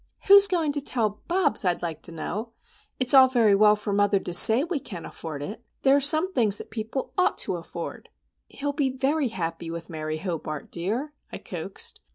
"Who's going to tell Bobs, I'd like to know? It's all very well for mother to say we can't afford it. There are some things that people ought to afford." "He'll be very happy with Mary Hobart, dear," I coaxed.